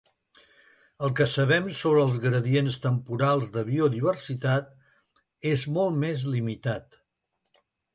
El que sabem sobre els gradients temporals de biodiversitat és molt més limitat.